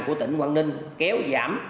của tỉnh hoàng ninh kéo giảm